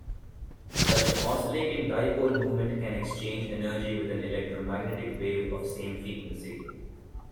Such an oscillating dipole moment can exchange energy with an electromagnetic wave of same frequency.